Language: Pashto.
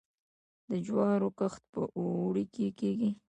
د جوارو کښت په اوړي کې کیږي.